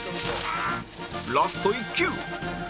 ラスト１球！